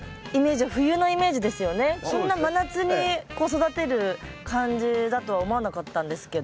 こんな真夏に育てる感じだとは思わなかったんですけど。